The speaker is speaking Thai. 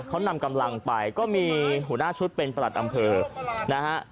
เขานำกำลังไปก็มีหัวหน้าชุดเป็นประหลัดอำเภอนะฮะ